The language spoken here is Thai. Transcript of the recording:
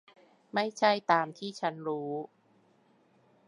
ไม่ใช่ตามที่ฉันรู้